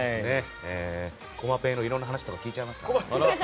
コマペイのいろんな話とか聞いちゃいますか。